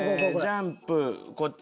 ジャンプこっち。